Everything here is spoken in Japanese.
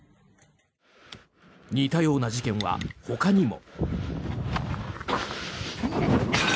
似たような事件はほかにも。